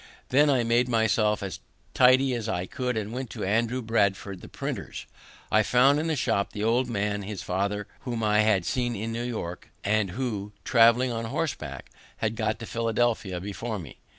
Then I made myself as tidy as I could, and went to Andrew Bradford the printer's. I found in the shop the old man his father, whom I had seen at New York, and who, traveling on horseback, had got to Philadelphia before me.